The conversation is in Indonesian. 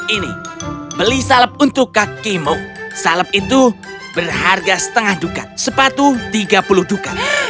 ini beli salep untuk kakimu salep itu berharga setengah dukat sepatu tiga puluh dukat